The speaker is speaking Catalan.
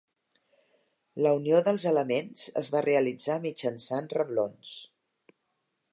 La unió dels elements es va realitzar mitjançant reblons.